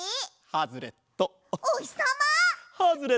ハズレット。